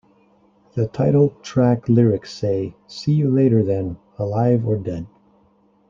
The title track lyrics say "See you later then... alive or dead".